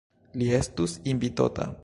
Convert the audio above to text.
Li estus invitota.